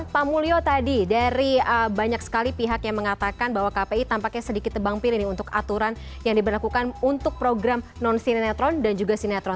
pak mulyo tadi dari banyak sekali pihak yang mengatakan bahwa kpi tampaknya sedikit tebang pilih untuk aturan yang diberlakukan untuk program non sinetron dan juga sinetron